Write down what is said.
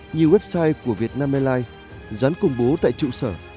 như website của việt nam airlines dán công bố tại trụ sở